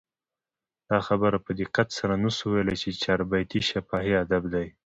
دا خبره په دقت سره نه سو ویلي، چي چاربیتې شفاهي ادب دئ.